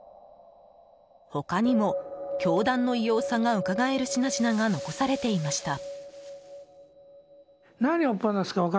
他にも、教団の異様さがうかがえる品々が残されていました。